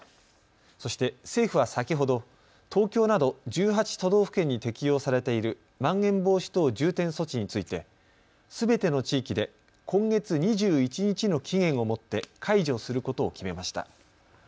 そして政府は先ほど東京など１８都道府県に適用されているまん延防止等重点措置についてすべての地域で今月２１日の期限をもって解除することを決めました。